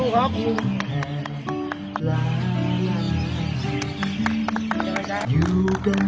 ดีจริงดีจริง